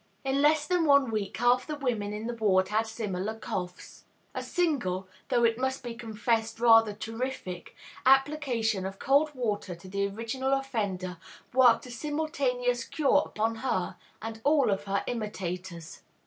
In less than one week half the women in the ward had similar coughs. A single though it must be confessed rather terrific application of cold water to the original offender worked a simultaneous cure upon her and all of her imitators.